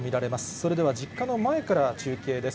それでは、実家の前から中継です。